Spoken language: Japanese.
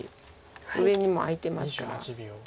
上にも空いてますから。